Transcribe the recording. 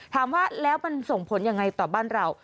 ถามว่าแล้วมันส่งผลยังไงต่อบ้านเรา